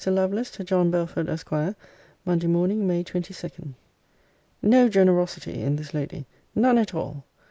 LOVELACE, TO JOHN BELFORD, ESQ. MONDAY MORNING, MAY 22. No generosity in this lady. None at all.